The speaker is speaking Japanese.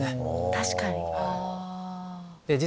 確かに。